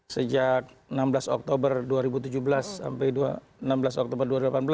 sejak enam belas oktober dua ribu tujuh belas sampai enam belas oktober dua ribu delapan belas